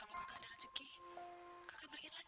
usia lagi dirawat